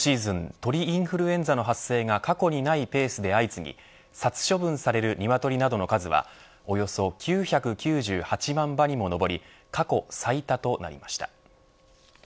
鳥インフルエンザの発生が過去にないペースで相次ぎ殺処分される鶏などの数はおよそ９９８万羽にも上り過去最多となりました。